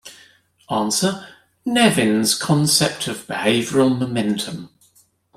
A. Nevin's concept of behavioral momentum.